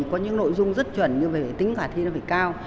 có những nội dung rất chuẩn nhưng về tính khả thi nó phải cao